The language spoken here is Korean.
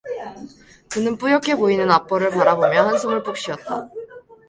그는 뿌옇게 보이는 앞벌을 바라보며 한숨을 푹 쉬었다.